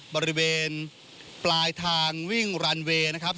บริเวณปลายทางวิ่งรันเวย์นะครับ